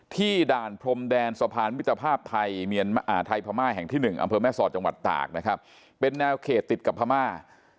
ด่านพรมแดนสะพานมิตรภาพไทยพม่าแห่งที่๑อำเภอแม่สอดจังหวัดตากนะครับเป็นแนวเขตติดกับพม่า